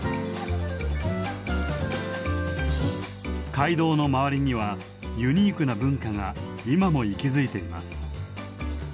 街道の周りにはユニークな文化が今も息づいています。